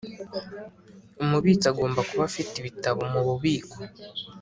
Umubitsi agomba kuba afite ibitabo mu bubiko